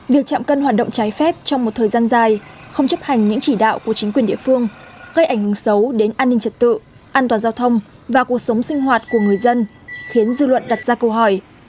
việc chạm cân hoạt động trái phép trong một thời gian dài không chấp hành những chỉ đạo của chính quyền địa phương gây ảnh hưởng xấu đến an ninh trật tự an toàn giao thông và cuộc sống sinh hoạt của người dân khiến dư luận đặt ra câu hỏi